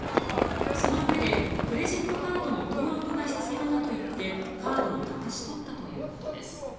そのうえで、クレジットカードの登録が必要だと言ってカードをだまし取ったということです。